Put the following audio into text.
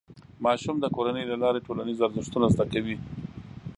ماشوم د کورنۍ له لارې ټولنیز ارزښتونه زده کوي.